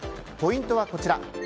ポイントはこちら。